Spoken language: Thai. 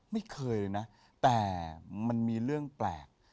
ไม่เคยนะแต่มันมีเรื่องแปลก